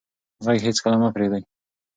غږ هېڅکله مه پرېږدئ.